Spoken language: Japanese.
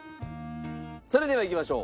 それではいきましょう。